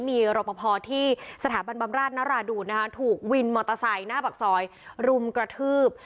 มีรบพอที่สถาบันบำราชนราดูนนะคะถูกวินมอเตอร์ไซค์หน้าปากซอยรุมกระทืบ